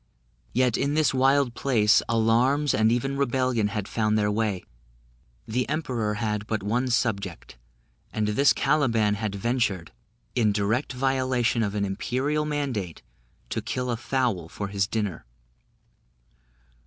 Yet in this wild place, alarms and even rebellion had found their way, the Emperor had but one subject, and this Caliban had ventured, in direct violation of an imperial mandate, to kill a fowl for his dinner.